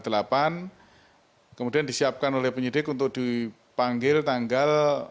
dan kemudian disiapkan oleh penyidik untuk dipanggil tanggal